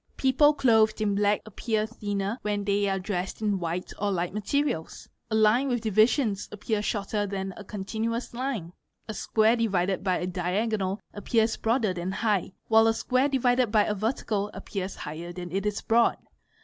People clothed in black appear thinner than when they are dressed in white or light materials. A line with divisions appears shorter than a continuous line. A square divided by a diagonal appears broader than high, while a square divided by a vertical appears higher than it is broad.